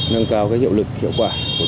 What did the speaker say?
nâng cao hiệu lực hiệu quả của các tội phạm